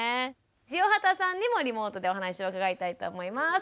塩畑さんにもリモートでお話を伺いたいと思います。